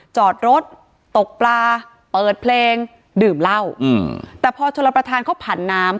จอดรถตกปลาเปิดเพลงดื่มเหล้าอืมแต่พอชนประธานเขาผันน้ำ